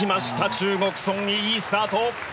中国、ソン・イいいスタート！